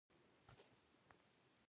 هغوی په موزون هوا کې پر بل باندې ژمن شول.